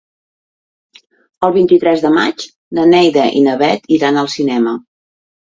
El vint-i-tres de maig na Neida i na Bet iran al cinema.